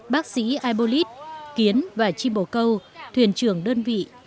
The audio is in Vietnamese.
bác sĩ ibolit kiến và chim bồ câu thuyền trưởng đơn vị